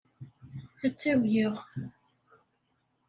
Ad tt-awyeɣ.